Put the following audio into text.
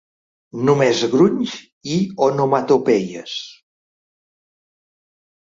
Només grunys i onomatopeies.